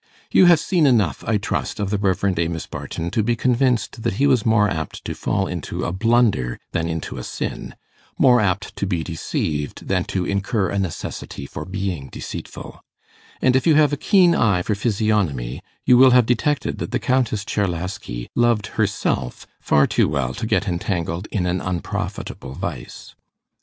You have seen enough, I trust, of the Rev. Amos Barton, to be convinced that he was more apt to fall into a blunder than into a sin more apt to be deceived than to incur a necessity for being deceitful: and if you have a keen eye for physiognomy, you will have detected that the Countess Czerlaski loved herself far too well to get entangled in an unprofitable vice.